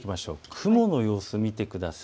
雲の様子を見てください。